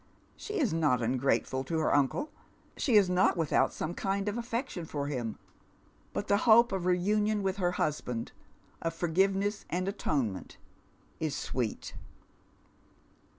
She is not ungrateful to her uncle, she is not without some kind of aft'ection for him, but the hope of reunion with her husband, of forgiveness and atonement, is sweet.